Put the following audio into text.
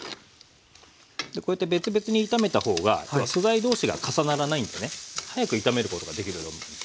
こうやって別々に炒めた方が素材同士が重ならないんでね早く炒めることができると思うんですよね。